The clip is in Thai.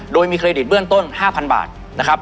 โดยมีเครดิตเบื้องต้น๕๐๐บาทนะครับ